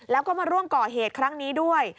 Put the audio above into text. แล้วก็มาร่วมก่อเหตุครั้งนี้ด้วย